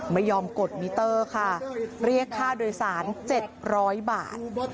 ไม่ยอมกดมิเตอร์ค่ะเรียกค่าโดยสาร๗๐๐บาท